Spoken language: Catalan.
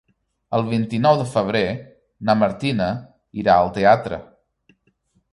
El vint-i-nou de febrer na Martina irà al teatre.